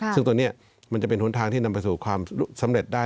ซึ่งตัวนี้มันจะเป็นหนทางที่นำไปสู่ความสำเร็จได้